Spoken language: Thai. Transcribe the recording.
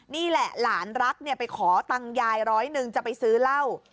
นี่แหละหลานรักไปขอตังค์ยายร้อยหนึ่งจะไปซื้อเหล้า